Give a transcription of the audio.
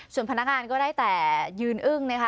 ส่วนพนักงานก็ได้แต่ยืนอึ้งนะคะ